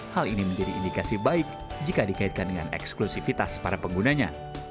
hal ini menjadi indikasi baik jika dikaitkan dengan eksklusifitas para penggunanya